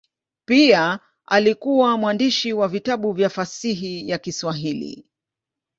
Pia alikuwa mwandishi wa vitabu vya fasihi ya Kiswahili.